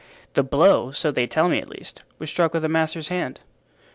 The blow, so they tell me at least, was struck with a master's hand."